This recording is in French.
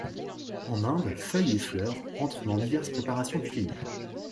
En Inde, feuilles et fleurs entrent dans diverses préparations culinaires.